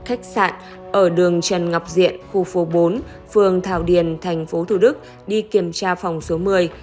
khách sạn ở đường trần ngọc diện khu phố bốn phường thảo điền thành phố thủ đức đi kiểm tra phòng số một mươi